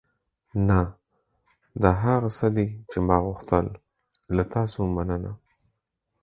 نه، دا هغه څه دي چې ما غوښتل. له تاسو مننه.